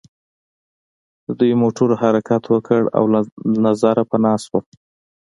د دوی موټرو حرکت وکړ او له نظره پناه شول